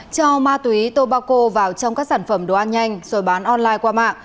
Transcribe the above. cho ma túy tobacco vào trong các sản phẩm đồ ăn nhanh rồi bán online qua mạng